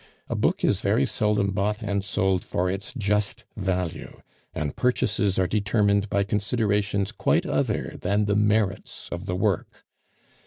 A book is very seldom bought and sold for its just value, and purchases are determined by considerations quite other than the merits of the work.